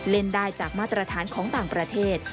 เล่นได้จากมาตรฐานของต่างประเทศ